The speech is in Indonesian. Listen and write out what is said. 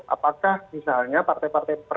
apakah misalnya partai partai